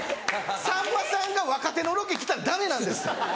さんまさんが若手のロケ来たらダメなんですって。